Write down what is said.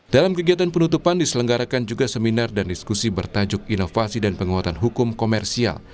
dalam kegiatan penutupan diselenggarakan juga seminar dan diskusi bertajuk inovasi dan penguatan hukum komersial